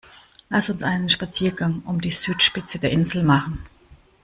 Lass uns einen Spaziergang um die Südspitze der Insel machen!